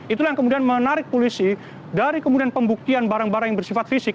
itulah yang kemudian menarik polisi dari kemudian pembuktian barang barang yang bersifat fisik